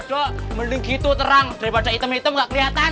eh jadok mending gitu terang daripada hitam hitam gak keliatan